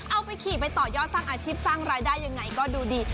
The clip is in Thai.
เอาไปขี่ไปต่อยอดสร้างอาชีพสร้างรายได้ยังไงก็ดูดี